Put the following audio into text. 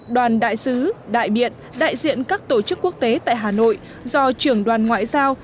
đoàn đại sứ đại biện đại diện các tổ chức quốc tế tại hà nội do trưởng đoàn ngoại giao